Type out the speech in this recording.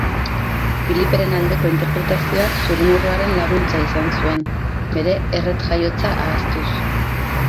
Filiperen aldeko interpretazioak zurrumurruaren laguntza izan zuen, bere erret-jaiotza ahaztuz.